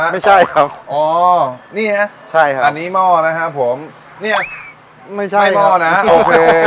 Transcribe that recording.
ไม่ใช่ครับนี่ไงใช่ครับอันนี้ม่อนะครับผมไม่ใช่ม่อนะโอเค